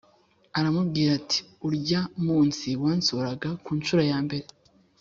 aramubwira ati urya munsi wansuraga ku ncuro ya mbere